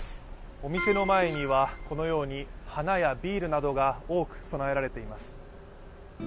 お店の前にはこのように花やビールなどが多く供えられています。